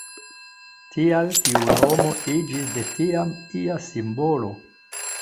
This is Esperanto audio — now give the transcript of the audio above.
Tial tiu nomo iĝis de tiam ia simbolo.